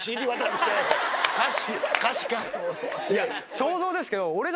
想像ですけど。